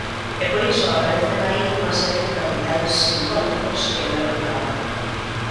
E por iso aparecen aí unha serie de capitais simbólicos que eles reclaman.